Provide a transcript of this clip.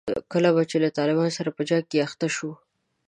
کله به چې له طالبانو سره په جنګ کې اخته شوو.